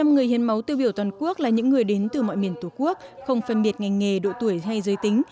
một mươi người hiến máu tiêu biểu toàn quốc là những người đến từ mọi miền tổ quốc không phân biệt ngành nghề độ tuổi hay giới tính